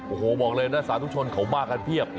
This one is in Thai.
โอ้โหบอกเลยนะสาธุชนเขามากันเพียบ